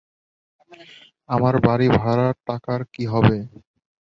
আমার বাড়ি ভাড়ার টাকার কী হবে?